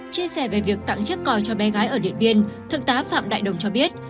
chia sẻ về việc tặng chiếc còi cho bé gái ở điện biên thượng tá phạm đại đồng cho biết